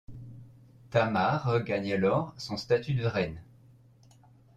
Tamar regagne alors son status de reine.